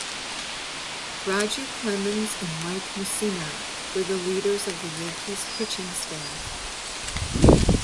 Roger Clemens and Mike Mussina were the leaders of the Yankees' pitching staff.